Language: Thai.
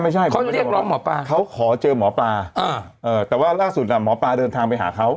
เขาจะเรียกร้องหมอปลาเขาขอเจอหมอปลาแต่ว่าล่าสุดหมอปลาเดินทางไปหาเขา